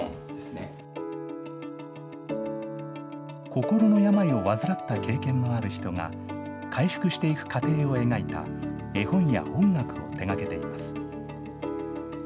心の病を患った経験のある人が回復していく過程を描いた絵本や音楽を手がけています。